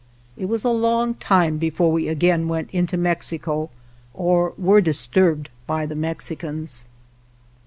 It was a long time before we again went into Mexico or were disturbed by the Mex icans.